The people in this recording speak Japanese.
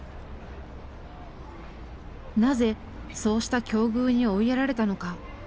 なぜそうした境遇に追いやられたのか。